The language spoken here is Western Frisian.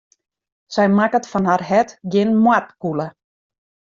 Sy makket fan har hert gjin moardkûle.